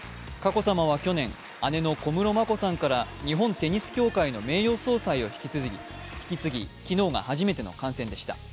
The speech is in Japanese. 去年、姉の小室眞子さんから日本テニス協会の名誉総裁を引き継ぎ昨日が初めての観戦でした。